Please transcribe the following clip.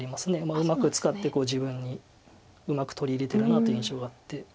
うまく使って自分にうまく取り入れてるなという印象があって。